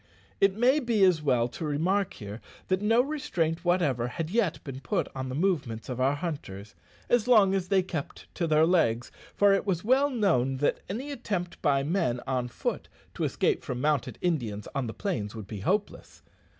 It may be as well to remark here, that no restraint whatever had yet been put on the movements of our hunters as long as they kept to their legs, for it was well known that any attempt by men on foot to escape from mounted Indians on the plains would be hopeless.